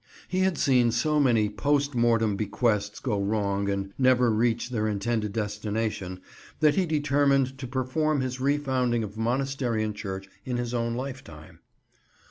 He had seen so many post mortem bequests go wrong and never reach their intended destination that he determined to perform his re founding of monastery and church in his own lifetime.